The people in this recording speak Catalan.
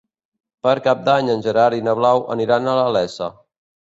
Per Cap d'Any en Gerard i na Blau aniran a la Iessa.